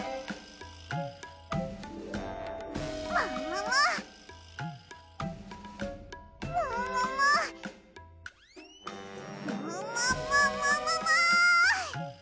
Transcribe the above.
ももも！ももももももも！